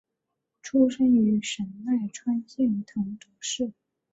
出身于神奈川县藤泽市。